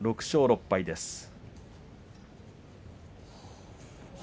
６勝６敗です。